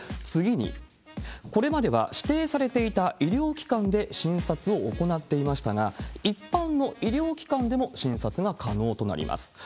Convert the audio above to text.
次に、これまでは指定されていた医療機関で診察を行っていましたが、一般の医療機関でも診察が可能となります。